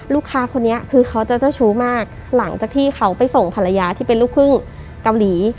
ลูกค้าคนนี้คือเขาจะเจ้าชู้มากหลังจากที่เขาไปส่งภรรยาที่เป็นลูกครึ่งเกาหลี